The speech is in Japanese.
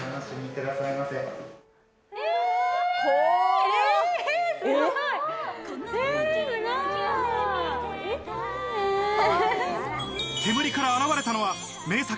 すごい！煙から現れたのは名作